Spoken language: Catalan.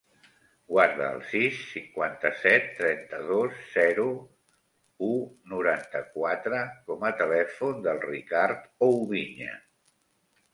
Guarda el sis, cinquanta-set, trenta-dos, zero, u, noranta-quatre com a telèfon del Ricard Oubiña.